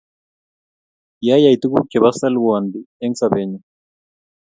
Kiayay tuguk chebo salwondi eng' sobenyu